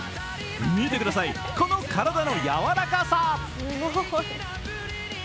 見てください、この体の柔らかさ。